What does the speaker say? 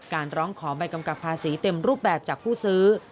ร้องขอใบกำกับภาษีเต็มรูปแบบจากผู้ซื้อ